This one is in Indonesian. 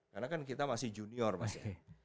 karena kan kita masih junior mas ya